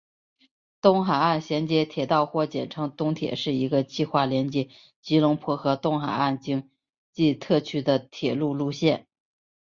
东海岸衔接铁道或简称东铁是一个计划连接吉隆坡和东海岸经济特区的铁路路线。